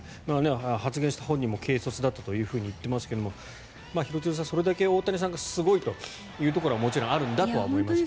発言した本人も軽率だったと言ってますけど廣津留さん、それだけ大谷さんがすごいというところはもちろんあるんだとは思いますけど。